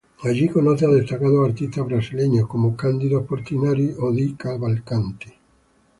Allí conoce a destacados artistas brasileños como Cândido Portinari o Di Cavalcanti.